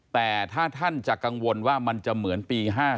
แต่ถ้าท่านจะกังวลว่ามันจะเหมือนปี๕๔